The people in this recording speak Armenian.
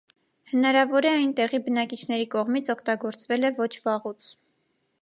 Հնարավոր է, այն տեղի բնակիչների կողմից օգտագործվել է ոչ վաղուց։